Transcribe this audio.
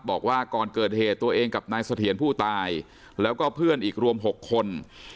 บอกว่าก่อนเกิดเหตุตัวเองกับนายเสถียรผู้ตายแล้วก็เพื่อนอีกรวม๖คน